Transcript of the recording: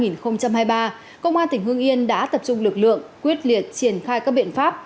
công an tỉnh hương yên đã tập trung lực lượng quyết liệt triển khai các biện pháp